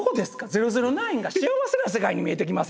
「００９」が幸せな世界に見えてきません？